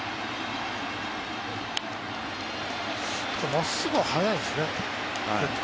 まっすぐは速いんですね、結構。